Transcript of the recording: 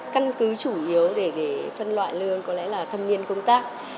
căn cứ chủ yếu về phân loại lương có lẽ là thâm niên công tác